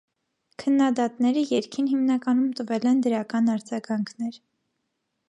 Քննադատները երգին հիմանականում տվել են դրական արձագանքներ։